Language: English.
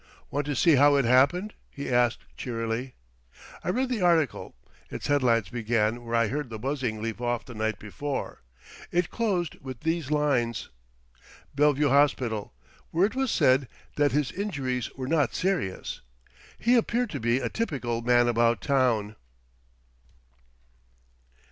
"Want to see how it happened?" he asked cheerily. I read the article. Its headlines began where I heard the buzzing leave off the night before. It closed with these lines: "—Bellevue Hospital, where it was said that his injuries were not serious. He appeared to be a typical Man About Town."